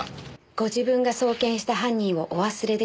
ご自分が送検した犯人をお忘れですか？